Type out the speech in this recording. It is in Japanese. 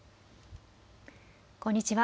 こんにちは。